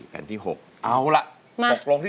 ตัดสินใจให้ดี